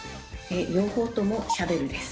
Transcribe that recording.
両方ともシャベルです。